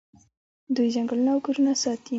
دوی ځنګلونه او کورونه ساتي.